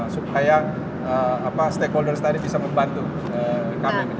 supaya stakeholders tadi bisa membantu kami gitu